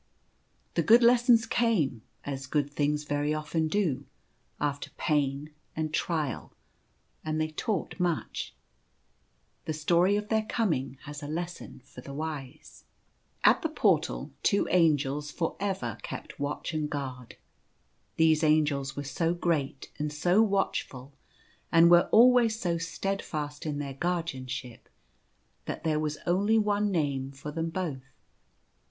The good lessons came — as good things very often do — after pain and trial, and they taught much. The story of their coming has a lesson for the wise. The Angels of the Portal. 7 At the Portal two Angels for ever kept watch and guard. These angels were so great and so watchful, and were always so steadfast in their guardianship, that there was only one name for them both.